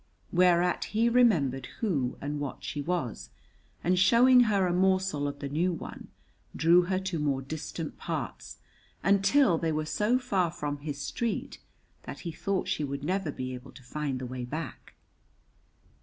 whereat he remembered who and what she was, and showing her a morsel of the new one, drew her to more distant parts, until they were so far from his street that he thought she would never be able to find the way back.